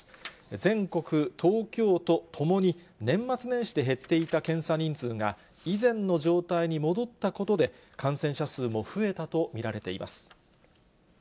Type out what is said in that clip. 全国、東京都ともに、年末年始で減っていた検査人数が以前の状態に戻ったことで、感染者数も増えたと見られています。